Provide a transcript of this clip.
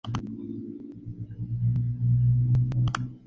Es un ávido jugador de golf.